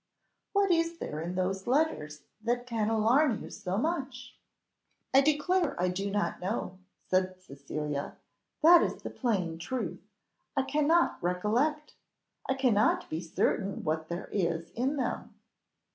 "What is there in those letters that can alarm you so much?" "I declare I do not know," said Cecilia, "that is the plain truth; I cannot recollect I cannot be certain what there is in them."